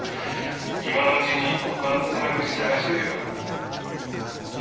今のうちに他の勤め口探しといてよ。